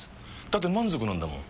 だって満足なんだもん。